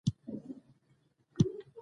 .اوسې اخته شاید یا یې اخته